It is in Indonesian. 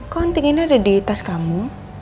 kok anting ini ada di tas kamu